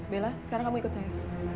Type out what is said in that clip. bella sekarang kamu ikut saya